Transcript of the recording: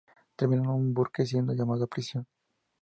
Terminando con Burke siendo llevado a prisión.